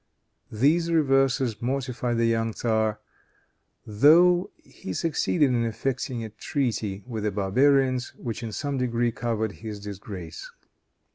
These reverses mortified the young tzar, though he succeeded in effecting a treaty with the barbarians, which in some degree covered his disgrace.